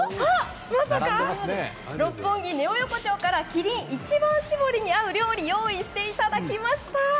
「六本木ネオ横丁」からキリン一番搾りに合う料理用意していただきました！